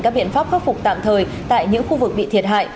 các biện pháp khắc phục tạm thời tại những khu vực bị thiệt hại